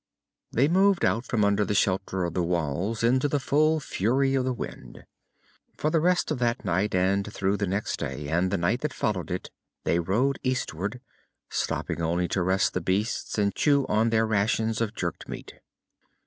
They moved out from under the shelter of the walls, into the full fury of the wind. For the rest of that night, and through the next day and the night that followed it they rode eastward, stopping only to rest the beasts and chew on their rations of jerked meat.